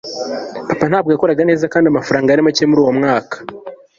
papa ntabwo yakoraga neza kandi amafaranga yari make muri uwo mwaka